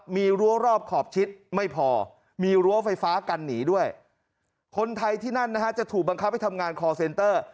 มีรั้วรอบขอบชิดไม่พอมีรั้วไฟฟ้ากันหนีด้วยคนไทยที่นั่นนะฮะจะถูกบังคับให้ทำงานคอร์เซนเตอร์